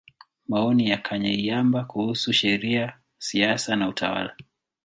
Maoni ya Kanyeihamba kuhusu Sheria, Siasa na Utawala.